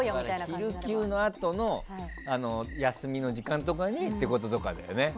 昼休のあとの休みの時間とかにってこととかだよね。